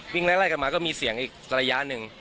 ไล่กันมาก็มีเสียงอีกระยะหนึ่ง